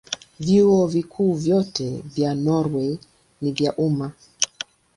Vyuo Vikuu vyote vya Norwei ni vya umma.